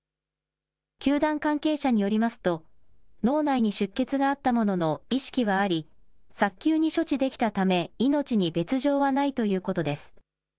球団関係者によりますと、脳内に出血があったものの、意識はあり、早急に処置できたため、命に別状はないということです。